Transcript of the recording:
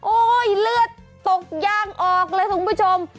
โอ้ยเลือดตกย่างออกเลยทุกผู้ชม